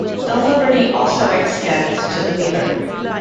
This liberty also extends to the metre.